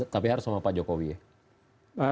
tapi harus sama pak jokowi ya